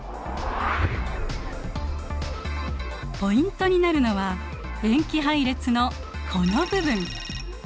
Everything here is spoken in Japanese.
ポイントになるのは塩基配列のこの部分。